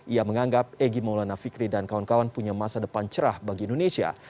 ia menganggap egy maulana fikri dan kawan kawan punya masa depan cerah bagi indonesia